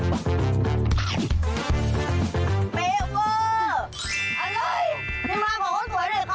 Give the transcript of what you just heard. เบเวอร์